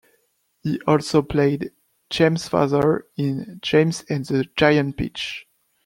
He also played James' father in "James and the Giant Peach".